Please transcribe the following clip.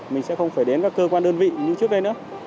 mình sẽ không phải đến các cơ quan đơn vị như trước đây nữa